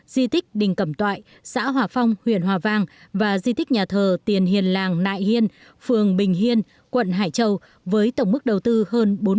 di tích đình cẩm toại xã hòa phong huyện hòa vang và di tích nhà thờ tiền hiền làng nại hiên phường bình hiên quận hải châu với tổng mức đầu tư hơn bốn tỷ đồng